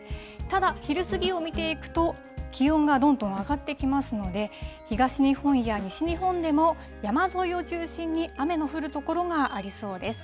ただ、昼過ぎを見ていくと、気温がどんどん上がってきますので、東日本や西日本でも山沿いを中心に雨の降る所がありそうです。